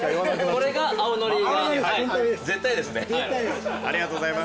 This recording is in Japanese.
これが青のりが。